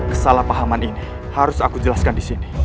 kesalahpahaman ini harus aku jelaskan disini